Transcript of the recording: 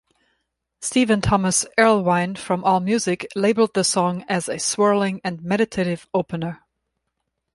Stephen Thomas Erlewine from AllMusic labelled the song as a "swirling" and "meditative opener".